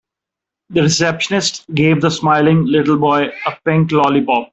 The receptionist gave the smiling little boy a pink lollipop.